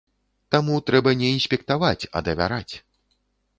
Таму трэба не інспектаваць, а давяраць.